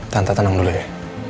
tante tenang dulu ya